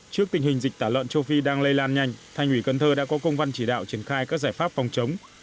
trước tình hình dịch tả lợn châu phi đang lây lan nhanh thành ủy cần thơ đã có công văn chỉ đạo triển khai các giải pháp phòng chống